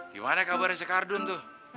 gimana kabarnya si kar dum tuh